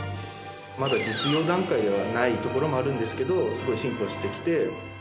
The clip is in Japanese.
まだ実用段階ではないところもあるんですけどすごい進歩してきて。